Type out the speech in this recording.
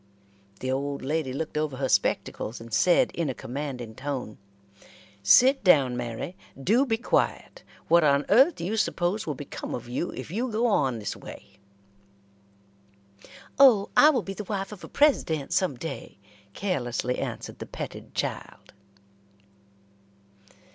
The old lady looked over her spectacles, and said, in a commanding tone: "Sit down, Mary. Do be quiet. What on earth do you suppose will become of you if you go on this way?" "Oh, I will be the wife of a President some day," carelessly answered the petted child.